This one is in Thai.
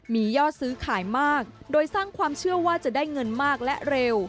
มียอดซื้อขายมากโดยสร้างความเชื่อว่าจะได้เงินมากและเร็ว